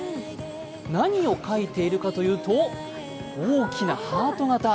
何を描いているかというと、大きなハート形。